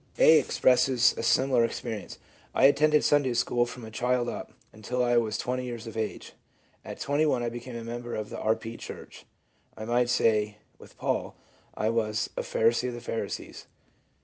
A. expresses a similar experience: "I attended Sunday school from a child up until I was twenty years of age. .. At twenty one I became a member of the E. P. Church. I might say with Paul, I was ' a Pharisee of the Pharisees.'